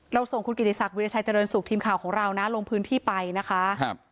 ส่งคุณกิติศักดิราชัยเจริญสุขทีมข่าวของเรานะลงพื้นที่ไปนะคะครับ